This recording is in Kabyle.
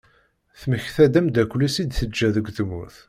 Temmekta-d ameddakel-is i teǧǧa deg tmurt.